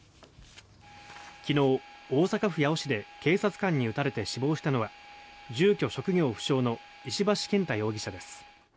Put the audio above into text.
昨日、大阪府八尾市で警察官に撃たれて死亡したのは住居・職業不詳の石橋健太容疑者です。